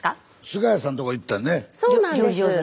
菅谷さんのとこ行ったよね。